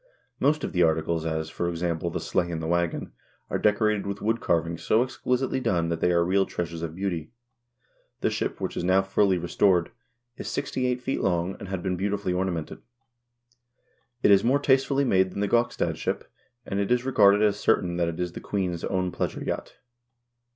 .Most of the articles, as, for example, the sleigh and the wagon, are decorated with wood carvings so exquisitely done that they are real treasures of beauty. The ship, which is now fully restored, is sixty eight feet long, and had been beautifully ornamented. It is more tastefully made than the Gokstad ship, and it is regarded as certain that it is the queen's own pleasure yacht.